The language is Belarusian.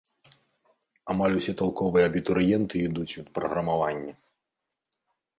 Амаль усе талковыя абітурыенты ідуць у праграмаванне.